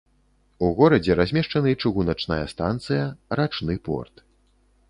У горадзе размешчаны чыгуначная станцыя, рачны порт.